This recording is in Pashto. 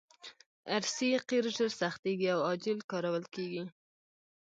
ار سي قیر ژر سختیږي او عاجل کارول کیږي